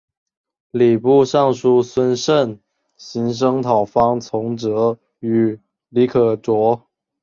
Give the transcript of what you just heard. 礼部尚书孙慎行声讨方从哲与李可灼。